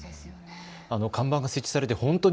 看板が設置されて本当に